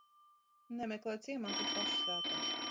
Nemeklē ciemā, kas paša sētā.